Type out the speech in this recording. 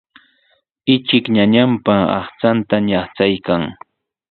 Ichik ñañanpa aqchanta ñaqchaykan.